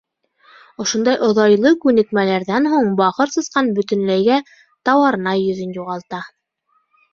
Ошондай оҙайлы күнекмәләрҙән һуң бахыр сысҡан бөтөнләйгә «тауарнай» йөҙөн юғалта.